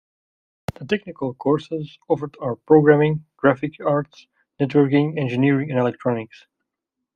The technical courses offered are programming, graphic arts, networking, engineering and electronics.